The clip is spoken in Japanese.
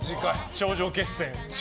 頂上決戦。